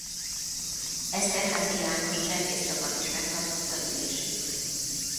Esterházy János cserkészcsapat is megtartotta ülését.